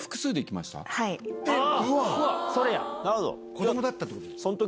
子どもだったってこと？